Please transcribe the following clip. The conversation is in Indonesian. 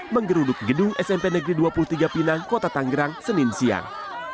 menggeruduk gedung smpn dua puluh tiga pinang kota tangerang senin siang